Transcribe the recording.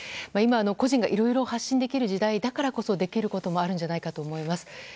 今、個人がいろいろ発信できる時代だからこそできることもあるんじゃないかと思います。